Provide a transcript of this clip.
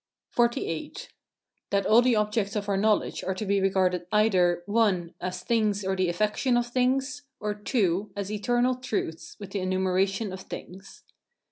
XLVIII. That all the objects of our knowledge are to be regarded either (1) as things or the affections of things: or (2) as eternal truths; with the enumeration of things.